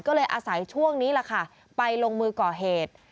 ก็เลยอาศัยช่วงนี้ล่ะค่ะไปลงมือก่อเหตุ